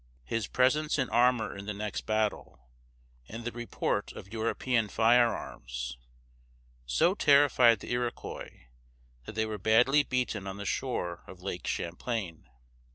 His presence in armor in the next battle, and the report of European firearms, so terrified the Iroquois that they were badly beaten on the shore of Lake Champlain.